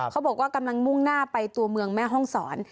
เขาบอกว่ากำลังมุ่งหน้าไปตัวเมืองแม่ฮ่องศร